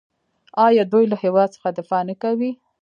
آیا دوی له هیواد څخه دفاع نه کوي؟